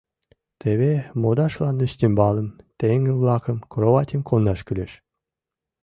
Теве модашлан ӱстембалым, теҥгыл-влакым, кроватьым кондаш кӱлеш.